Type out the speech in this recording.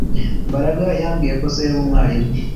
Mbaraga yambwiye ko se yari umwarimu